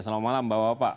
selamat malam bapak bapak